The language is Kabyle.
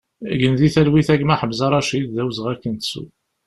Gen di talwit a gma Ḥemza Racid, d awezɣi ad k-nettu!